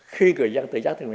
khi người dân tự giá thương mẹ